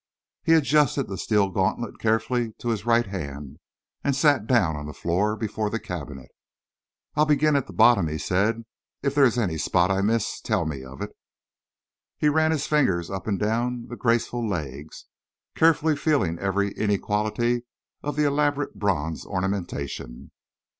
He adjusted the steel gauntlet carefully to his right hand and sat down on the floor before the cabinet. "I'll begin at the bottom," he said. "If there is any spot I miss, tell me of it." He ran his fingers up and down the graceful legs, carefully feeling every inequality of the elaborate bronze ornamentation.